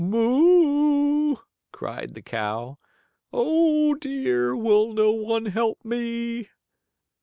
Moo!" cried the cow. "Oh, dear, will no one help me?"